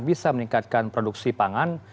bisa meningkatkan produksi pangan